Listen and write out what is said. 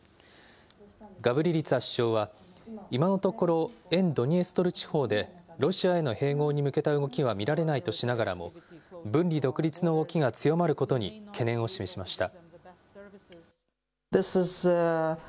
ガブリリツァ首相は、今のところ、沿ドニエストル地方で、ロシアへの併合に向けた動きは見られないとしながらも、分離独立の動きが強まることに懸念を示しました。